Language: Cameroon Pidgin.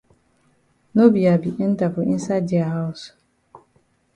No be I be enter for inside dia haus.